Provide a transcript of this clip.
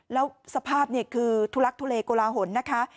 แล้วสภาพคือทุลักษณ์ทุเลโกลาหลนะคะ